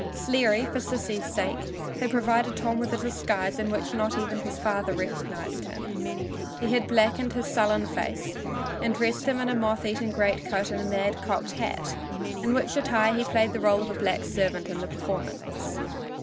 Sleary, for Sissy's sake, had provided Tom with a disguise in which not even his father recognized him. He had blacked his sullen face and dressed him in a moth eaten greatcoat and a mad cocked hat, in which attire he played the rôle of a black servant in the performance.